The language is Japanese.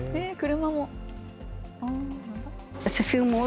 車も。